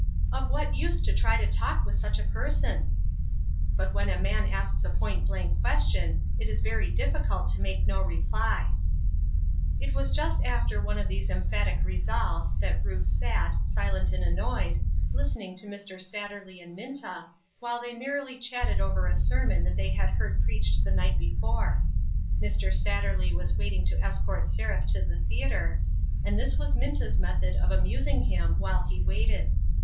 " Of what use to try to talk with such a person ?" But when a man asks a point blank question, it is very difficult to make no reply. It was just after one of these emphatic re solves, that Ruth sat, silent and annoyed, listening to Mr. Satterley and Minta, while they merrily chattered over a sermom that they had heard preached the night before ; Mr. Satterley was waiting to escort Seraph to the theater, and this was Minta's method of amusing him while he waited.